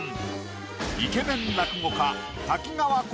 イケメン落語家瀧川鯉